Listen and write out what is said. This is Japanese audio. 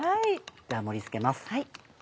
では盛り付けます。